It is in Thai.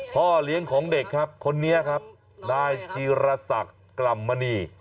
พ่อเลี้ยงของเด็กครับคนนี้ครับนายจิรษักรรมณี